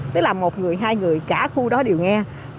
tức là một người hai người cả khu đó đều nghe